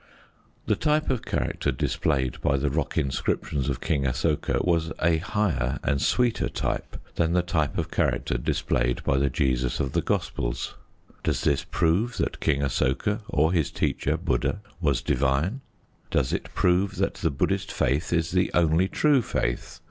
The type of character displayed by the rock inscriptions of King Asoka was a higher and sweeter type than the type of character displayed by the Jesus of the Gospels. Does this prove that King Asoka or his teacher, Buddha, was divine? Does it prove that the Buddhist faith is the only true faith?